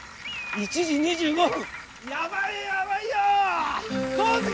１時３５分。